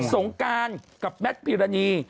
สงการกับแมทพิรณี